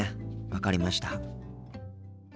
分かりました。